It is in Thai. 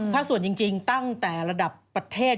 ส่วนจริงตั้งแต่ระดับประเทศ